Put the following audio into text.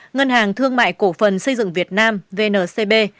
ngân hàng thương mại cổ phần xây dựng việt nam vncb